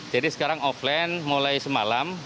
jadi sekarang offline mulai semalam